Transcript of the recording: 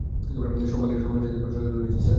সম্মানের সাথে প্রশ্নটা তুলে নিচ্ছি।